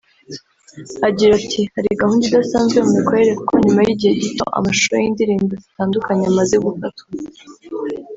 agira ati ” Hari gahunda idasanzwe mu mikorere kuko nyuma y’igihe gito amashusho y’indirimbo zitandukanye amaze gufatwa